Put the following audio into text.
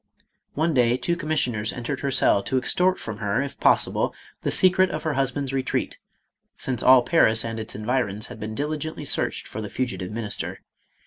One day two commissioners entered her cell to ex tort from her if possible, the secret of her husband's retreat, since all Paris and its environs had been dili gently searched for the fugitive minister.